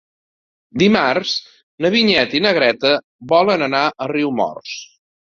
Dimarts na Vinyet i na Greta volen anar a Riumors.